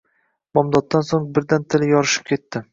Bomdoddan so‘ng birdan dili yorishib ketdi